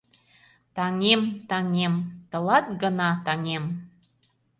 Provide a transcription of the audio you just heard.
Таҥем, таҥем, тылат гына таҥем